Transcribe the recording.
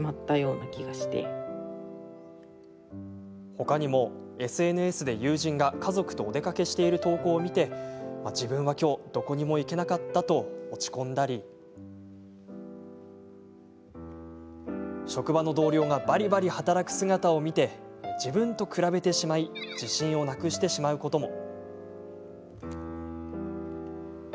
ほかにもＳＮＳで友人が家族とお出かけしている投稿を見て、自分は今日どこにも行けなかったと落ち込んだり職場の同僚がばりばり働く姿を見て自分と比べてしまい自信をなくしてしまうことも。